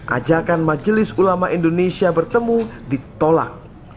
ajakan majelis ulama indonesia bertemu ditolak